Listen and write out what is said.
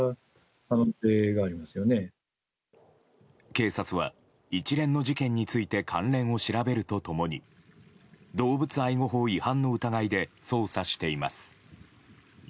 警察は一連の事件について関連を調べると共に動物愛護法違反の疑いで捜査しています。